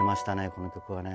この曲はね。